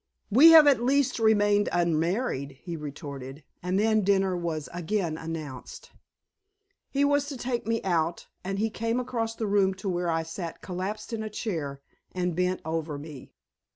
"We have at least remained unmarried," he retorted. And then dinner was again announced. He was to take me out, and he came across the room to where I sat collapsed in a chair, and bent over me.